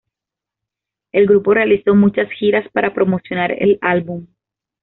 El grupo realizó muchas giras para promocionar el álbum.